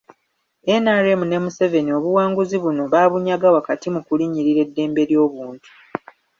NRM ne Museveni obuwanguzi buno baabunyaga wakati mu kulinnyirira eddembe ly'obuntu.